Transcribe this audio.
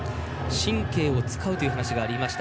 神経を遣うという話がありました。